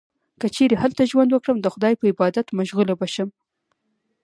که چیرې هلته ژوند وکړم، د خدای په عبادت مشغوله به شم.